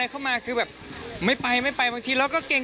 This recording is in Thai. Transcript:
เขาไม่ได้แบบว่าดีเหมือนเดิม